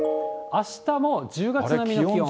あしたも１０月並みの気温。